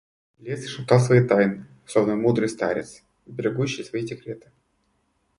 Лес шептал свои тайны, словно мудрый старец, берегущий свои секреты.